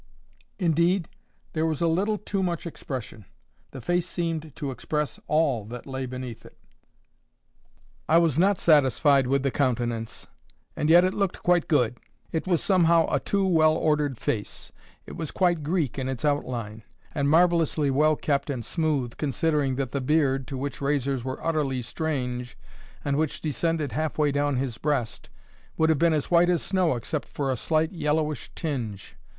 Indeed, there was a little too much expression. The face seemed to express ALL that lay beneath it. I was not satisfied with the countenance; and yet it looked quite good. It was somehow a too well ordered face. It was quite Greek in its outline; and marvellously well kept and smooth, considering that the beard, to which razors were utterly strange, and which descended half way down his breast, would have been as white as snow except for a slight yellowish tinge.